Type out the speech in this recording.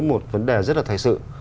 một vấn đề rất là thầy sự